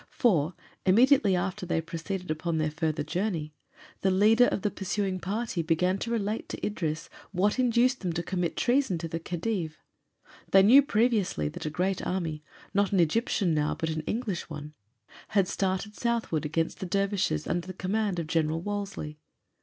For, immediately after they proceeded upon their further journey, the leader of the pursuing party began to relate to Idris what induced them to commit treason to the Khedive. They knew previously that a great army not an Egyptian now but an English one had started southward against the dervishes under the command of General Wolseley.